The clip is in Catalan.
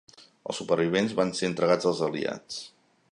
Els supervivents van ser entregats als aliats.